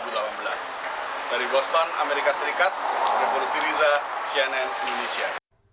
dari boston amerika serikat revolusi riza cnn indonesia